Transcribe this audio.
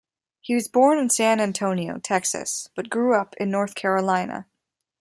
He was born in San Antonio, Texas, but grew up in North Carolina.